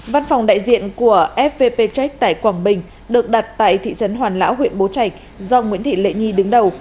văn phòng đại diện của fpp check tại quảng bình được đặt tại thị trấn hoàn lão huyện bố trạch do nguyễn thị lệ nhi đứng đầu